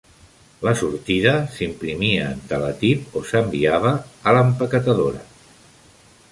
La sortida s'imprimia en teletip o s'enviava a l'empaquetadora.